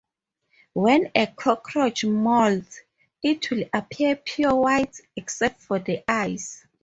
When a cockroach moults, it will appear pure white except for the eyes.